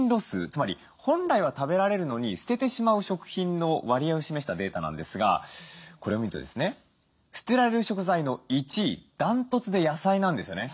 つまり本来は食べられるのに捨ててしまう食品の割合を示したデータなんですがこれを見るとですね捨てられる食材の１位断トツで野菜なんですよね。